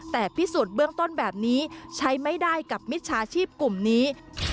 แต่พิสูจน์เบื้องต้นแบบนี้ใช้ไม่ได้กับมิจฉาชีพกลุ่มนี้